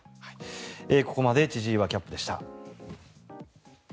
ここまで千々岩キャップでした。